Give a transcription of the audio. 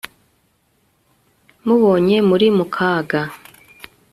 mubonye muri mu kaga